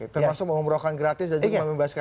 termasuk mengumrahkan gratis dan juga membebaskan